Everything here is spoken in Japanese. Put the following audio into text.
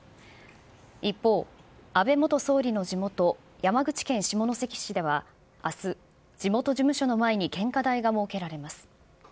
一方、安倍元総理の地元、山口県下関市では、あす、地元事務所の前に献花台が設けられます。